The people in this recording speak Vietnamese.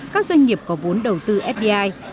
các doanh nghiệp có vốn đầu tư fdi